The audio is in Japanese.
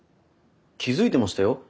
気付いてましたよ。